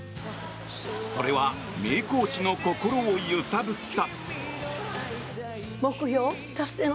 それは名コーチの心を揺さぶった。